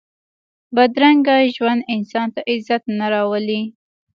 بدرنګه ژوند انسان ته عزت نه راولي